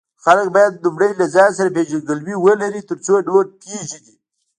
خلک باید لومړی له ځان سره پیژندګلوي ولري، ترڅو نور پیژني.